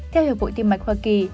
theo hiệp vụ tim mạch hoa kỳ